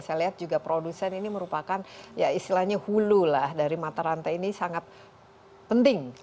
saya lihat juga produsen ini merupakan ya istilahnya hulu lah dari mata rantai ini sangat penting